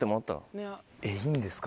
えっいいんですか？